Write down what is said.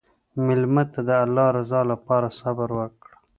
مېلمه ته د الله رضا لپاره صبر وکړه.